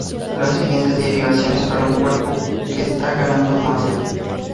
La siguiente derivación es para un cuerpo que está ganando masa.